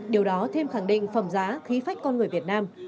điều đó thêm khẳng định phẩm giá khí phách con người việt nam